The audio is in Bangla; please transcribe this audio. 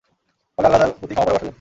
ফলে আল্লাহ তার প্রতি ক্ষমা পরবশ হলেন।